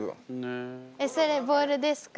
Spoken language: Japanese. えっそれボールですか？